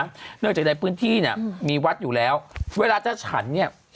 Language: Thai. เนื่องจากในพื้นที่เนี่ยมีวัดอยู่แล้วเวลาจะฉันเนี่ย